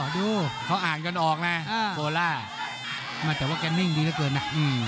ดูเขาอ่านยนออกนะโพล่าแต่ว่าแกนิ่งดีเหลือเกินนะ